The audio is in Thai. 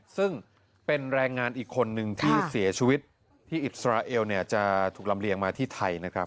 ซึ่งเป็นแรงงานอีกคนนึงที่เสียชีวิตที่อิสราเอลเนี่ยจะถูกลำเลียงมาที่ไทยนะครับ